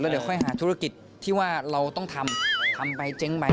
เดี๋ยวค่อยหาธุรกิจที่ว่าเราต้องทำทำไปเจ๊งไป